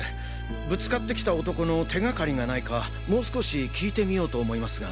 ぶつかってきた男の手がかりがないかもう少し聞いてみようと思いますが。